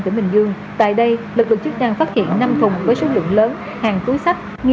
tỉnh bình dương tại đây lực lượng chức năng phát hiện năm thùng với số lượng lớn hàng túi sách nghi